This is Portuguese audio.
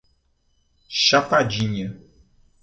Chapadinha